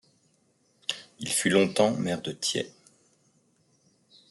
Il fut longtemps maire de Thiais.